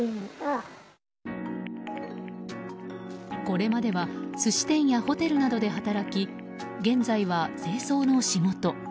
これまでは寿司店やホテルなどで働き現在は清掃の仕事。